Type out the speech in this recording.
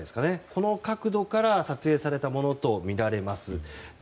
この角度から撮影されたものとみられます。